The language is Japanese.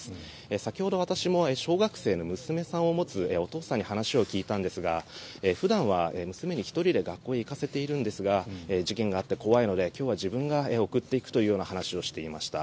先ほど私も小学生の娘さんを待つお父さんにお話を聞いたんですが普段は娘を１人で学校に行かせているんですが事件があって怖いので今日は自分で送っていくというような話をしていました。